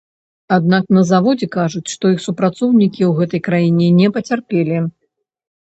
Аднак на заводзе кажуць, што іх супрацоўнікі ў гэтай краіне не пацярпелі.